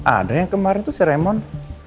ada yang kemarin tuh si raymond